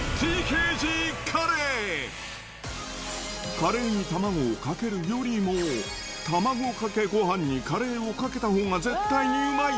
カレーに卵をかけるよりも、卵かけごはんにカレーをかけたほうが絶対にうまい。